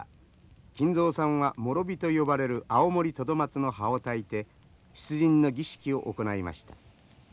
金蔵さんはもろ火と呼ばれるアオモリトドマツの葉をたいて出陣の儀式を行いました。